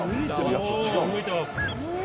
動いてます。